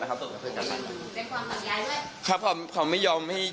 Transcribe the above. อ่าเนี่ย